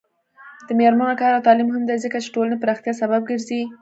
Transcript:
د میرمنو کار او تعلیم مهم دی ځکه چې ټولنې پراختیا سبب ګرځي.